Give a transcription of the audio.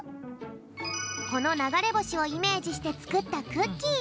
このながれぼしをイメージしてつくったクッキー。